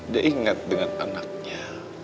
dia ingat dengan anaknya